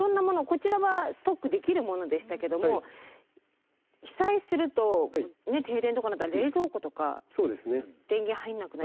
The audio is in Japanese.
こちらはストックできるものでしたけども被災すると停電とかになったら冷蔵庫とか電源入んなくなりますよね。